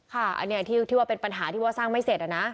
ค่ะอันนี้ที่ว่าเป็นปัญหาที่ว่าสร้างไม่เสร็จนะ